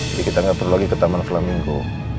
jadi kita gak perlu lagi ke taman flamingo